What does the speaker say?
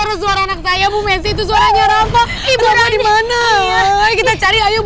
itu suara anak saya itu suaranya raffa dimana kita cari ayo